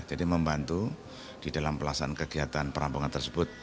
jadi membantu di dalam pelaksanaan kegiatan perampungan tersebut